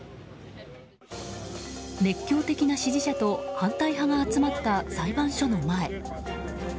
熱狂的な支持者と反対派が集まった裁判所の前。